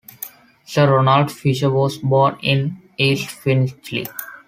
Sir Ronald Fisher was born in East Finchley.